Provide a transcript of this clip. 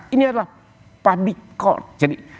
ini adalah public court jadi